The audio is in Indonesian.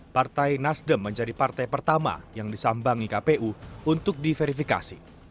partai nasdem menjadi partai pertama yang disambangi kpu untuk diverifikasi